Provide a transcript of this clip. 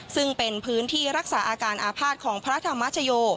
ซึ่งเป็นพื้นที่รักษาอาการอาภาษณ์ของพระธรรมชโย